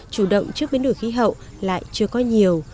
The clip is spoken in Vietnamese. chủ động trước biến đổi khí hậu lại chưa có nhiều